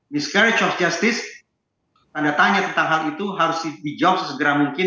miscare justice tanda tanya tentang hal itu harus dijawab sesegera mungkin